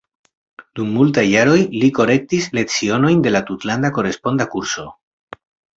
Dum multaj jaroj li korektis lecionojn de la tutlanda koresponda kurso.